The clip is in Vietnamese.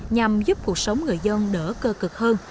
nhằm giúp cuộc sống người dân đỡ cơ cực hơn